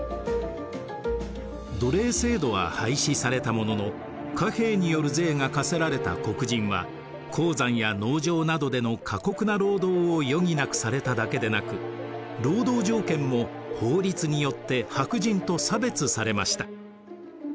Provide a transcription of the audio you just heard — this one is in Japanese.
奴隷制度は廃止されたものの貨幣による税が課せられた黒人は鉱山や農場などでの過酷な労働を余儀なくされただけでなく労働条件も法律によって白人と差別されました。